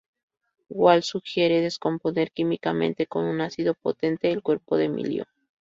Walt sugiere descomponer químicamente con un ácido potente el cuerpo de Emilio.